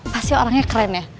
pasti orangnya keren ya